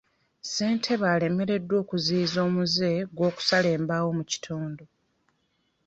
Ssentebe alemereddwa okuziyiza omuze gw'okusala embaawo mu kitundu